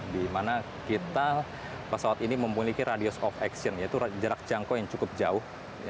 di mana kita pesawat ini memiliki radius of action yaitu jarak jangkau yang cukup jauh